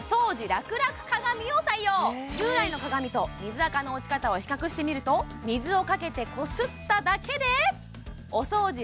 ラクラク鏡を採用従来の鏡と水垢の落ち方を比較してみると水をかけてこすっただけでお掃除